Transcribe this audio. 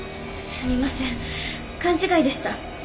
すみません勘違いでした。